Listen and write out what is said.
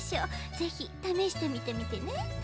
ぜひためしてみてみてね。